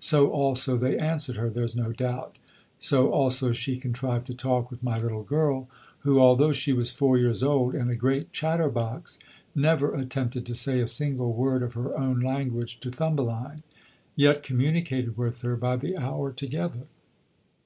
So also they answered her, there's no doubt. So also she contrived to talk with my little girl, who, although she was four years old and a great chatterbox, never attempted to say a single word of her own language to Thumbeline, yet communicated with her by the hour together.